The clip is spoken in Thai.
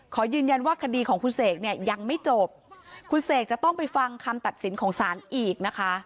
ขอยืนยันว่าคดีของคุณเสกเนี่ยยังไม่จบคุณเสกจะต้องไปฟังคำตัดสินของศาลอีกนะคะ